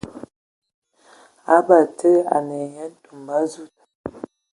Batsidi a ne ai nye ntumba a zud.